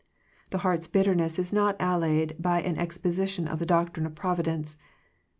The heart's bitterness is not allayed by an exposition of the doctrine of providence.